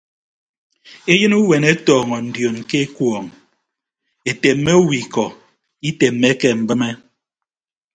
Eyịn uweene ọtọọñọ ndioon ke ekuọñ etemme owo ikọ itemmeke mbịme.